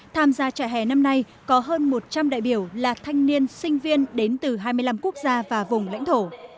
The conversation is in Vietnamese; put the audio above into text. tham gia trại hè năm nay có hơn một trăm linh đại biểu là thanh niên sinh viên đến từ hai mươi năm quốc gia và vùng lãnh thổ